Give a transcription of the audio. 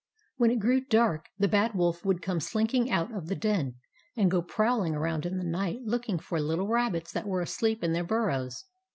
When it grew dark, the Bad Wolf would come slinking out of the den, and go prowling around in the night looking for little rabbits that were asleep in their burrows.